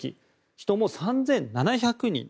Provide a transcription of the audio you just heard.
人も３７００人。